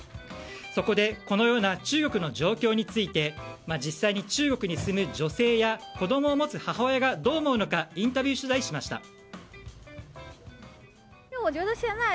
そこでこのような中国の状況について実際に中国に住む女性や子供を持つ母親がどう思うのかインタビュー取材しました。